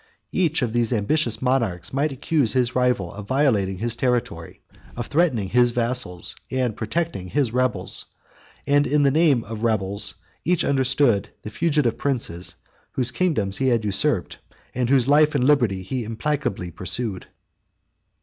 Each of these ambitious monarchs might accuse his rival of violating his territory, of threatening his vassals, and protecting his rebels; and, by the name of rebels, each understood the fugitive princes, whose kingdoms he had usurped, and whose life or liberty he implacably pursued.